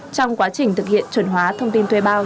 trong quá trình thực hiện chuẩn hóa thông tin thuê bao